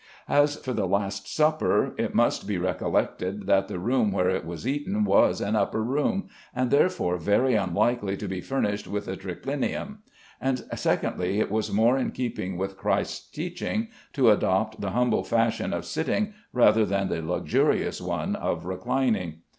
As for the Last Supper, it must be recollected that the room where it was eaten was an upper room, and therefore very unlikely to be furnished with a triclinium; and, secondly, it was more in keeping with Christ's teaching to adopt the humble fashion of sitting rather than the luxurious one of reclining.